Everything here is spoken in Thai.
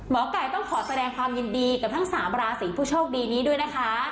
ไก่ต้องขอแสดงความยินดีกับทั้ง๓ราศีผู้โชคดีนี้ด้วยนะคะ